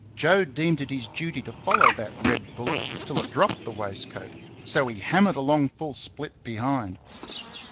Joe deemed it his duty to follow that red bullock till it dropped the waistcoat, so he hammered along full split behind.